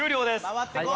回ってこい！